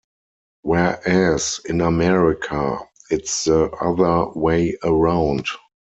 Whereas in America it's the other way around.